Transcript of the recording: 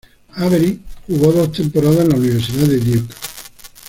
Avery jugó dos temporadas en la Universidad de Duke.